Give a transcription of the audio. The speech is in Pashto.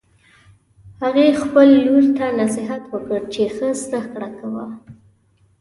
هغې خپل لور ته نصیحت وکړ چې ښه زده کړه کوه